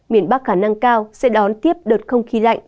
miền bắc khả năng cao sẽ đón tiếp đợt không khí lạnh